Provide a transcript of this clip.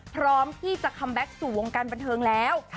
พร้อมที่จะคัมแบ็คสู่วงการบันเทิงแล้ว